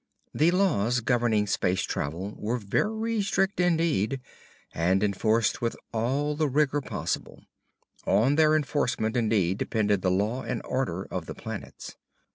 The laws governing space travel were very strict indeed, and enforced with all the rigor possible. On their enforcement, indeed, depended the law and order of the planets.